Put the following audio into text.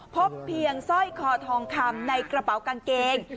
พบเพียงสร้อยคอทองคำในกระเป๋ากางเกง